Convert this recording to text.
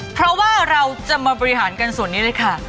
เพราะว่าเราจะมาบริหารกันส่วนนี้เลยค่ะ